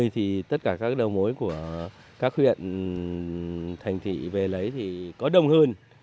thì tất cả các đầu mối của các huyện thành thị về lấy thì có đông hơn